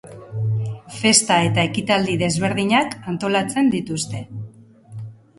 Festa eta ekitaldi desberdinak antolatzen dituzte.